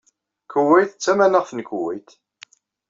Kuweyt d tamanaɣt n Kuweyt.